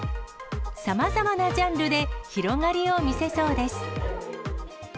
さまざまなジャンルで広がりを見せそうです。